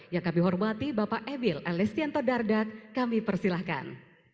yang kami hormati bapak emil elistianto dardak kami persilahkan